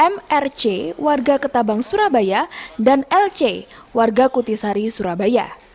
mrc warga ketabang surabaya dan lc warga kutisari surabaya